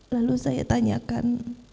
lalu saya tanyakan